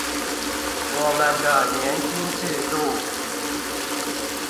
我們的年金制度